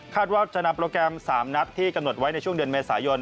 ว่าจะนำโปรแกรม๓นัดที่กำหนดไว้ในช่วงเดือนเมษายน